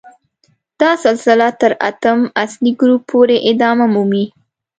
دا سلسله تر اتم اصلي ګروپ پورې ادامه مومي.